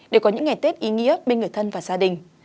đều có những ngày tết ý nghĩa bên người thân và gia đình